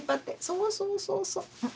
そうそうそうそう。